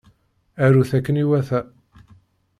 Arut akken iwata.